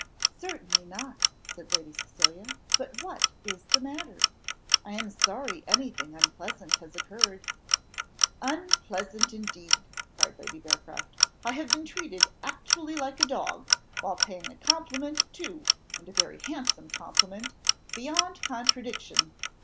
"Certainly not," said Lady Cecilia; "but what is the matter? I am sorry any thing unpleasant has occurred." "Unpleasant indeed!" cried Lady Bearcroft; "I have been treated actually like a dog, while paying a compliment too, and a very handsome compliment, beyond contradiction.